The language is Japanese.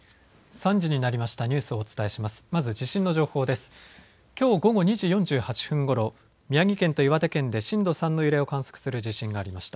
３時になりました。